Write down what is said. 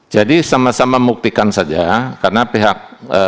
jadi sama sama muktikan saja karena pihak